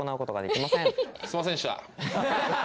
すみませんでした。